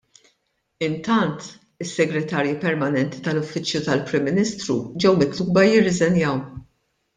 Intant, is-Segretarji Permanenti tal-Uffiċċju tal-Prim Ministru ġew mitluba jirriżenjaw.